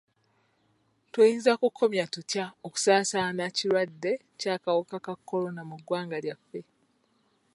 Tuyinza kukomya tutya okusaasaana kirwadde ky'akawuka ka kolona mu ggwanga lyaffe?